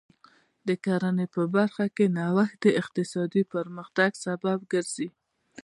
د کرنې په برخه کې نوښت د اقتصادي پرمختګ سبب ګرځي.